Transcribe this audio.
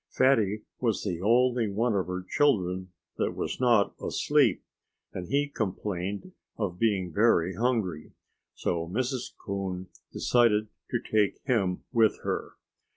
Fatty was the only one of her children that was not asleep; and he complained of being very hungry. So Mrs. Coon decided to take him with her.